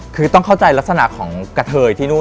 คือต้องเข้าใจลักษณะของกระเทยที่นู่น